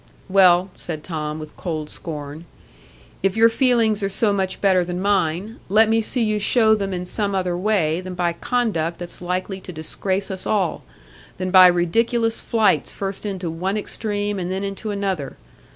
"Well," said Tom, with cold scorn, "if your feelings are so much better than mine, let me see you show them in some other way than by conduct that's likely to disgrace us all,—than by ridiculous flights first into one extreme and then into another.